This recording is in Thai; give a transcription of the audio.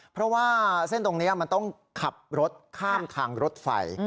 เพราะว่าเส้นตรงนี้มันต้องขับรถข้ามทางรถไฟ